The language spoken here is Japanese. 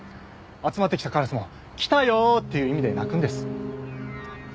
集まってきたカラスも「来たよ」という意味で鳴くんです。